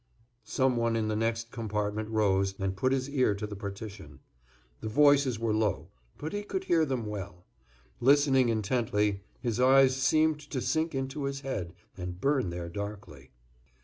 Some one in the next compartment rose, and put his ear to the partition. The voices were low, but he could hear them well. Listening intently, his eyes seemed to sink into his head, and burn there darkly.